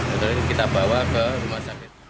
setelah itu kita bawa ke rumah sakit